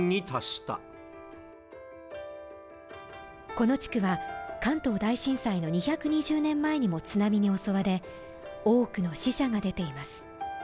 この地区は関東大震災の２２０年前にも津波に襲われ多くの死者が出ています